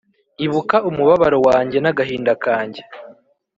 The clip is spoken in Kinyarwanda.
Ibuka umubabaro wanjye n’agahinda kanjye,